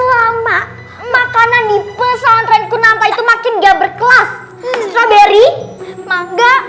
lama makanan di pesawat rengku nampak itu makin gak berkelas strawberry mangga